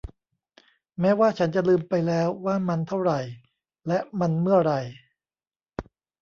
แม้ว่าฉันจะลืมไปแล้วว่ามันเท่าไหร่ และมันเมื่อไหร่